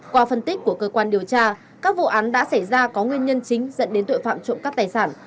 qua phân tích của cơ quan điều tra các vụ án đã xảy ra có nguyên nhân chính dẫn đến tội phạm trộm cắp tài sản